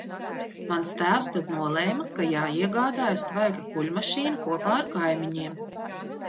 Mans tēvs tad nolēma, ka jāiegādājas tvaika kuļmašīna kopā ar kaimiņiem.